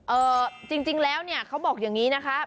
จริงแล้วเนี่ยเขาบอกอย่างนี้นะคะ